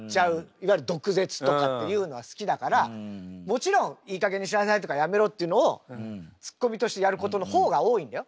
いわゆる毒舌とかっていうのは好きだからもちろん「いいかげんにしなさい」とか「やめろ」っていうのをツッコミとしてやることの方が多いんだよ？